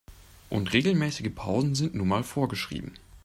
Und regelmäßige Pausen sind nun mal vorgeschrieben.